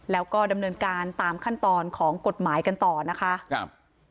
แล้วก็ดำเนินการตามขั้นตอนของกฎหมายกันต่อนะคะครับ